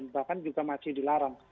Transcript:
bahkan juga masih dilarang